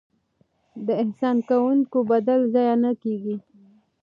د احسان کوونکو بدله ضایع نه کیږي.